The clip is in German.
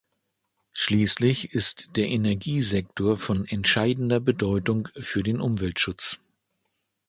Schließlich ist der Energiesektor von entscheidender Bedeutung für den Umweltschutz.